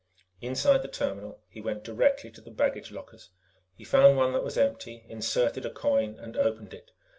Inside the terminal, he went directly to the baggage lockers. He found one that was empty, inserted a coin, and opened it.